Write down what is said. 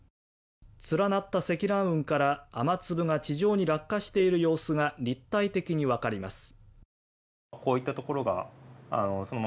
連なった積乱雲から雨粒が地上に落下している様子が立体的にわかります